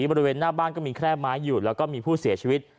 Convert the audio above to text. บริเวณหน้าบ้านก็มีแค่ไม้อยู่แล้วก็มีผู้เสียชีวิต